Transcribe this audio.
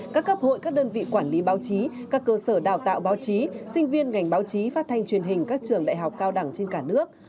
các cấp hội các đơn vị quản lý báo chí các cơ sở đào tạo báo chí sinh viên ngành báo chí phát thanh truyền hình các trường đại học cao đẳng trên cả nước